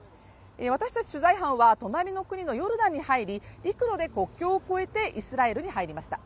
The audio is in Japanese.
私たち取材班は隣の国のヨルダンに入り、陸路で国境を越えてイスラエルに入りました。